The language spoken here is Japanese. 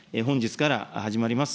本日から始まります